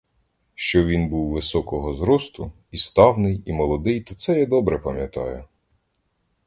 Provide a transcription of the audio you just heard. Що він, був високого зросту, і ставний, і молодий, то це я добре пам'ятаю.